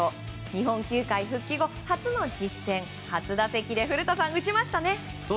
日本球界復帰後初の実戦初打席で古田さん、打ちましたね。